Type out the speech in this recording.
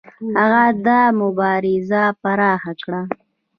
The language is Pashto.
هغه دا مبارزه پراخه کړه.